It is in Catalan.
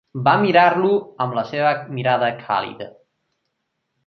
Va mirar-lo amb la seva mirada càlida.